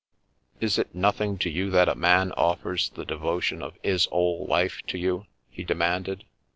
" Is it nothing to you that a man offers the devotion of 'is 'ole life to you?" he demanded.